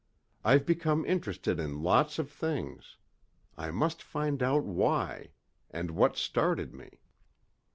"I've become interested in lots of things. I must find out why and what's started me."